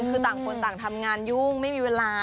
คือต่างคนต่างทำงานยุ่งไม่มีเวลา